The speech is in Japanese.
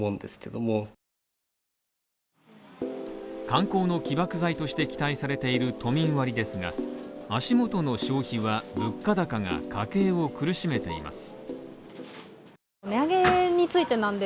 観光の起爆剤として期待されている都民割ですが、足元の消費は物価高が家計を苦しめています。